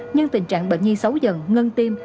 nhưng tình trạng bệnh nhi xấu dần ngưng tim